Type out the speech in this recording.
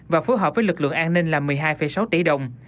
và phối hợp với lực lượng an ninh là một mươi hai sáu tỷ đồng